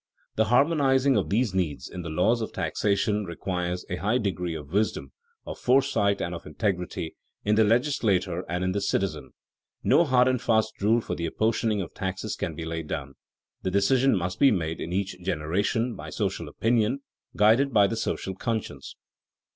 The harmonizing of these needs in the laws of taxation requires a high degree of wisdom, of foresight, and of integrity, in the legislator and in the citizen. No hard and fast rule for the apportioning of taxes can be laid down. The decision must be made in each generation by social opinion, guided by the social conscience.